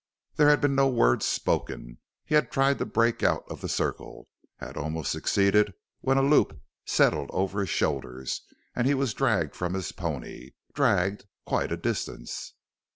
There had been no words spoken. He had tried to break out of the circle; had almost succeeded when a loop settled over his shoulders and he was dragged from his pony dragged quite a distance.